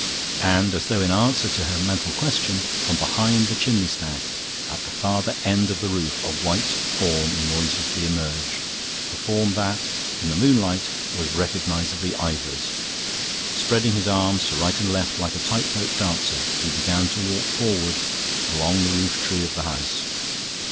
And as though in answer to her mental question, from behind the chimney stack at the farther end of the roof a white form noiselessly emerged a form that, in the moonlight, was recognisably Ivor's. Spreading his arms to right and left, like a tight rope dancer, he began to walk forward along the roof tree of the house.